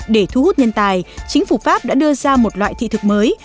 để thu hút nhân tài chính phủ pháp đã đưa ra một loại thị thực mới